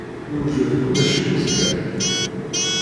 Yewjed kullec i uzekka?